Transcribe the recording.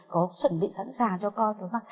có chuẩn bị sẵn sàng cho con